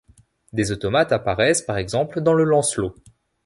Des automates apparaissent par exemple dans le Lancelot.